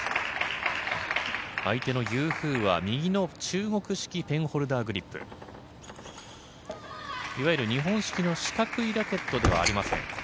相手のユー・フーは右の中国式ペンホルダーグリップいわゆる日本式の四角いラケットではありません。